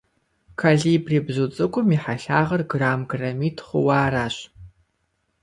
Колибри бзу цIыкIум и хьэлъагъыр грамм-граммитI хъууэ аращ.